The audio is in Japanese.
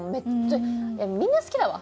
いやみんな好きだわ。